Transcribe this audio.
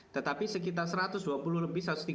tetapi sekitar satu ratus dua puluh lebih